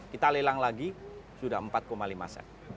kita lelang lagi sudah empat lima set